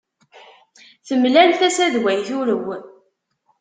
Temlal tasa d way turew.